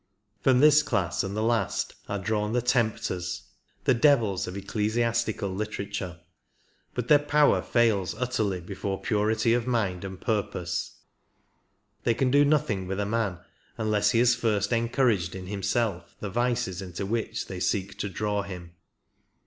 From this class and the last are drawn the tempters — the devils of ecclesiastical literature; but their power fails utterly before purity of mind and purpose ; they can do nothing with a man unless he has first encouraged in himself the vices into which they seek to draw him.